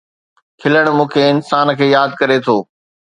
کلڻ مون کي انسان کي ياد ڪري ٿو